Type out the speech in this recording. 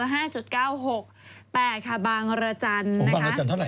ห้าจุดเก้าหกแปดค่ะบางระจันทร์นะคะโอ้โหบางระจันทร์เท่าไหร่